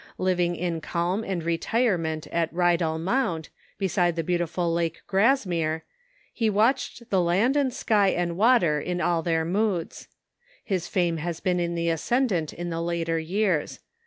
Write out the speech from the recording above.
Living in calm and retirement at Rydal Mount, Wordsworth ij^siJe the beautiful Lake Grasmere, he watched and his School .. the land and sky and water in all their moods. His fame has been in the ascendant in the later years.